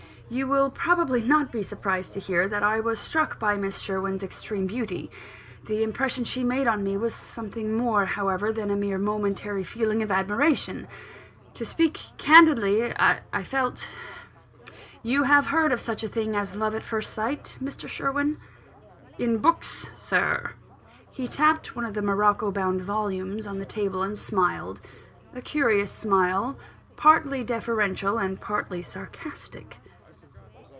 "You will not probably be surprised to hear that I was struck by Miss Sherwin's extreme beauty. The impression she made on me was something more, however, than a mere momentary feeling of admiration. To speak candidly, I felt You have heard of such a thing as love at first sight, Mr. Sherwin?" "In books, Sir." He tapped one of the morocco bound volumes on the table, and smiled a curious smile, partly deferential and partly sarcastic.